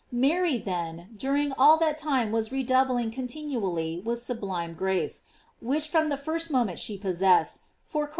Mary, then, during all that time was redoubling continually that sublime grace, which from the first moment she possessed; for, corresponding * Serm.